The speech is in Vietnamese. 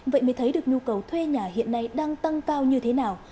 vậy mới thấy được nhu cầu thuê nhà hiện nay đang tăng cao như thế nào